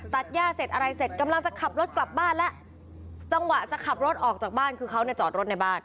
ย่าเสร็จอะไรเสร็จกำลังจะขับรถกลับบ้านแล้วจังหวะจะขับรถออกจากบ้านคือเขาเนี่ยจอดรถในบ้าน